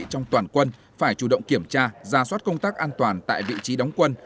trong toàn quân phải chủ động kiểm tra ra soát công tác an toàn tại vị trí đóng quân